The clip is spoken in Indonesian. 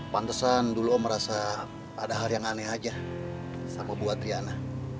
pantesan dulu om merasa ada hal yang aneh aja sama buat riana